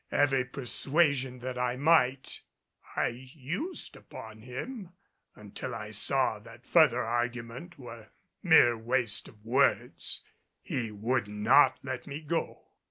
Every persuasion that I might, I used upon him until I saw that further argument was mere waste of words. He would not let me go.